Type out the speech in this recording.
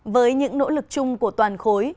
với những nỗ lực chung của toàn khối